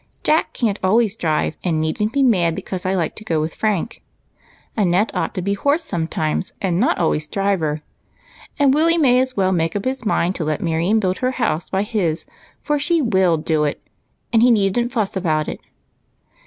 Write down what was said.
Jack can't always drive, and needn't be mad because I like to go with Frank. Annette ought to be horse sometimes and not always driver ; and Willie may as well make up his mind to let Marion build her house by his, for she loill do it, and he need n't fuss about it.